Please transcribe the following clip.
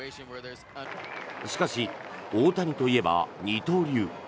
しかし、大谷といえば二刀流。